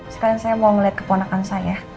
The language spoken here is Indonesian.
sekarang saya mau melihat keponakan saya